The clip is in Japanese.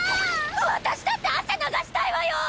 私だって汗流したいわよ！